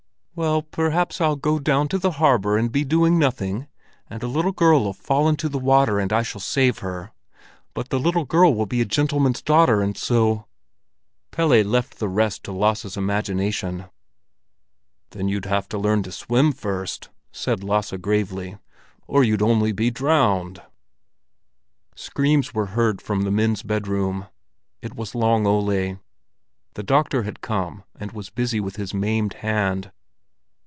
"Well, perhaps I'll go down to the harbor and be doing nothing, and a little girl'll fall into the water and I shall save her. But the little girl will be a gentleman's daughter, and so——" Pelle left the rest to Lasse's imagination. "Then you'd have to learn to swim first," said Lasse gravely. "Or you'd only be drowned." Screams were heard from the men's bedroom. It was Long Ole. The doctor had come and was busy with his maimed hand.